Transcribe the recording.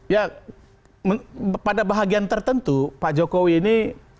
ya pada bahagian tertentu pak jokowi ini